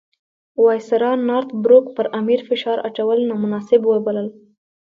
وایسرا نارت بروک پر امیر فشار اچول نامناسب وبلل.